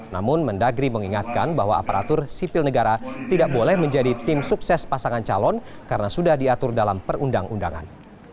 namun mendagri mengingatkan bahwa aparatur sipil negara tidak boleh menjadi tim sukses pasangan calon karena sudah diatur dalam perundang undangan